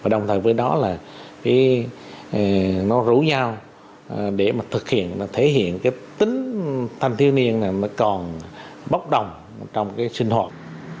đồng thời với đó là nó rủ nhau để thực hiện thể hiện tính thanh thiếu niên còn bốc đồng trong sinh hội